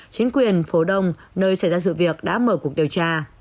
chính quyền phố đông nơi xảy ra sự việc đã mở cuộc điều tra